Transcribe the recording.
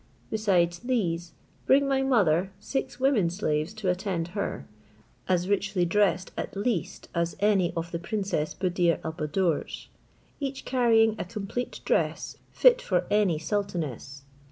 Besides these, bring my mother six women slaves to attend her, as richly dressed at least as any of the princess Buddir al Buddoor's, each carrying a complete dress fit for any sultaness.